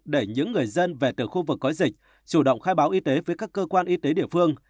để những người dân về từ khu vực có dịch chủ động khai báo y tế với các cơ quan y tế địa phương